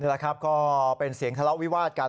ละครับก็เป็นเสียงทะเลาะวิวาดกัน